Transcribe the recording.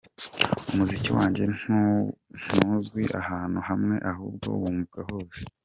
Umuziki wanjye ntuzwi ahantu hamwe ahubwo wumvwa hose.